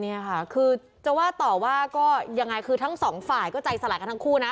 เนี่ยค่ะคือจะว่าต่อว่าก็ยังไงคือทั้งสองฝ่ายก็ใจสลายกันทั้งคู่นะ